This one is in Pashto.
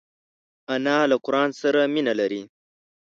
انا له قران سره مینه لري